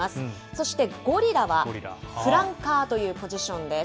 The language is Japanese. そしてゴリラはフランカーというポジションです。